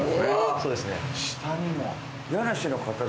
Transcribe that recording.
そうです。